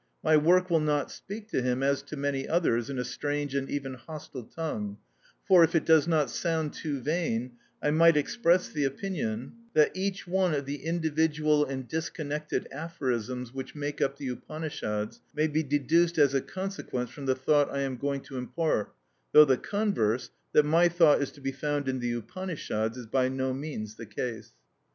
My work will not speak to him, as to many others, in a strange and even hostile tongue; for, if it does not sound too vain, I might express the opinion that each one of the individual and disconnected aphorisms which make up the Upanishads may be deduced as a consequence from the thought I am going to impart, though the converse, that my thought is to be found in the Upanishads, is by no means the case.